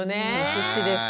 必死です。